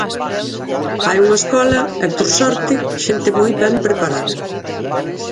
Hai unha escola e, por sorte, xente moi ben preparada.